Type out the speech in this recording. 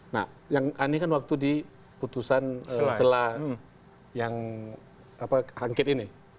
nah yang aneh kan waktu di putusan sela sela yang angket ini